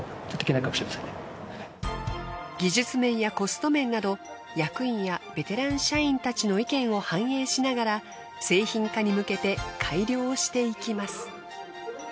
技術面やコスト面など役員やベテラン社員たちの意見を反映しながら製品化に向けて改良していきます。